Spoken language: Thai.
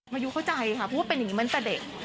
มายูเข้าใจค่ะเพราะว่าเป็นอย่างนี้มาตั้งแต่เด็ก